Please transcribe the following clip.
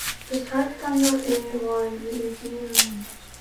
The site's tagline was If it isn't Mirsky's then it isn't the worst!